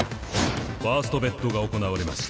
ファーストベットが行われました。